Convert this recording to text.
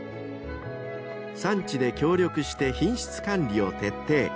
［産地で協力して品質管理を徹底］